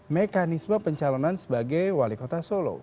mekanisme pencalonan sebagai wali kota solo